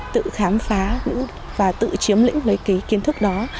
tự khám phá và tự chiếm lĩnh lấy cái kiến thức đó